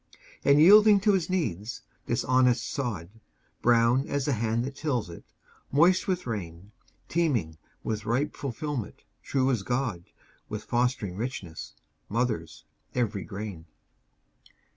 And yielding to his needs, this honest sod, Brown as the hand that tills it, moist with rain, Teeming with ripe fulfilment, true as God, With fostering richness, mothers every grain.